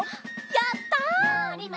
やったね。